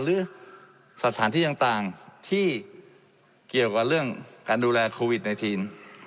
หรือสถานที่ต่างที่เกี่ยวกับเรื่องการดูแลโควิด๑๙